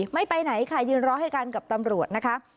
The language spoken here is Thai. ไม่ไปไหนค่ะยืนรอให้กันกับตำรวจนะคะ